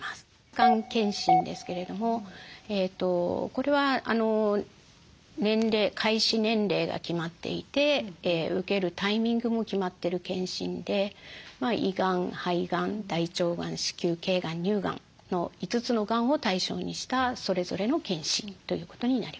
がん検診ですけれどもこれは開始年齢が決まっていて受けるタイミングも決まってる検診で胃がん肺がん大腸がん子宮頸がん乳がんの５つのがんを対象にしたそれぞれの検診ということになります。